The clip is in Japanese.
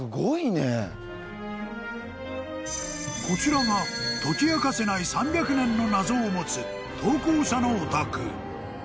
［こちらが解き明かせない３００年の謎を持つ投稿者のお宅］